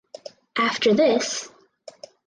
After this.